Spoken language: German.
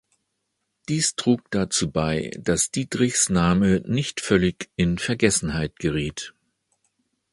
Dies trug dazu bei, dass Dietrichs Name nicht völlig in Vergessenheit geriet.